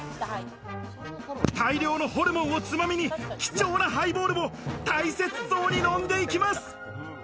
大量のホルモンをつまみに、貴重なハイボールを大切そうに飲んでいきます。